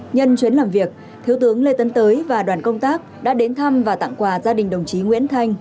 nhân chuyến làm việc thiếu tướng lê tấn tới và đoàn công tác đã đến thăm và tặng quà gia đình đồng chí nguyễn thanh